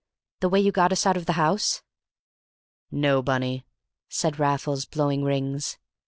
"The way you got us out of the house!" "No, Bunny," said Raffles, blowing rings.